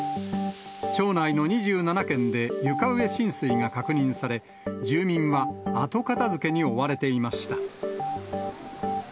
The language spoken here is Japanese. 町内の２７軒で床上浸水が確認され、住民は後片づけに追われていました。